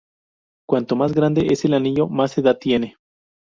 Cuanto más grande es el anillo, más edad tiene.